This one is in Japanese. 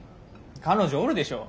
彼女おるでしょ。